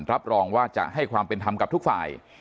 รับรองว่าจะให้ความเป็นธรรมกับทุกฝ่าย